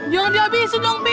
jangan di habisin dong bi